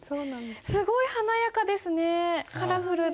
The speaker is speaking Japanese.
すごい華やかですねカラフルで。